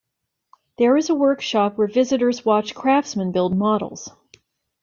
There is a workshop where visitors can watch craftsmen build models.